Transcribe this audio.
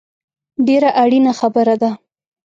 ډېره اړینه خبره ده